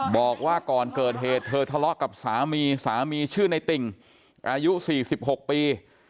บอกว่าก่อนเกิดเหตุเธอทะเลาะกับสามีสามีชื่อในติ่งอายุ๔๖ปี